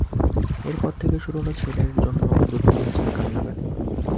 এর পর থেকে শুরু হলো ছেলের জন্য লুৎফুন্নেছার কান্নাকাটি।